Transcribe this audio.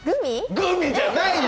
グミじゃないよ！